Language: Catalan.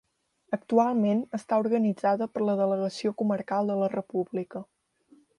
Actualment està organitzada per la Delegació Comarcal de la República.